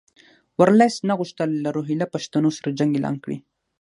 ورلسټ نه غوښتل له روهیله پښتنو سره جنګ اعلان کړي.